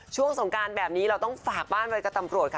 ช่วงสงการแบบนี้เราต้องฝากบ้านไว้กระตำโปรดค่ะ